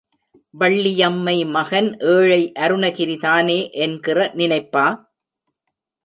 வள்ளியம்மை மகன் ஏழை அருணகிரிதானே என்கிற நினைப்பா!